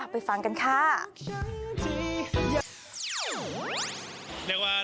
ไปฟังกันค่ะ